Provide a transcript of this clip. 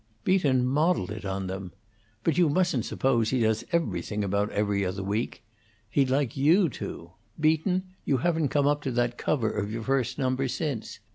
"Beaton modelled it on them. But you mustn't suppose he does everything about 'Every Other Week'; he'd like you to. Beaton, you haven't come up to that cover of your first number, since.